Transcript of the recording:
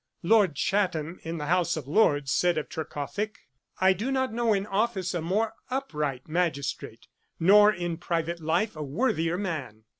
Lord Chatham, in the House of Lords, said of Trecothick: 'I do not know in office a more upright magistrate, nor in private life a worthier man.'